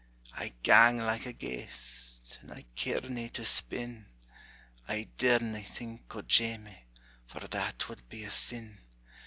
I gang like a ghaist, and I carena to spin; I darena think o' Jamie, for that wad be a sin.